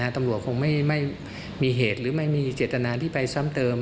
ตำรวจคงไม่มีเหตุหรือไม่มีเจตนาที่ไปซ้ำเติม